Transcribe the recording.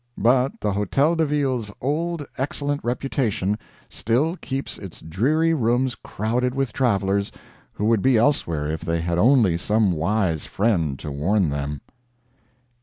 But the Hotel de Ville's old excellent reputation still keeps its dreary rooms crowded with travelers who would be elsewhere if they had only some wise friend to warn them.